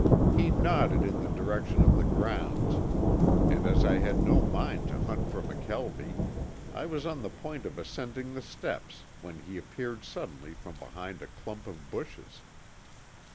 He nodded in the direction of the grounds and as I had no mind to hunt for McKelvie I was on the point of ascending the steps when he appeared suddenly from behind a clump of bushes.